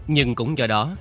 nhưng cũng do đó